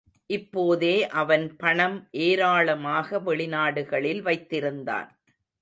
இப்போதே அவன் பணம் ஏராளமாக வெளிநாடுகளில் வைத்திருந்தான்.